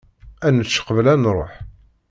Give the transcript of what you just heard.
Ad nečč qbel ad nruḥ.